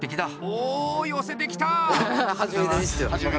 おお、寄せてきた！